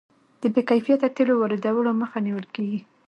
د بې کیفیته تیلو واردولو مخه نیول کیږي.